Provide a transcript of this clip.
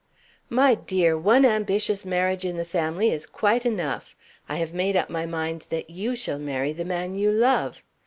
"My dear, one ambitious marriage in the family is quite enough! I have made up my mind that you shall marry the man you love.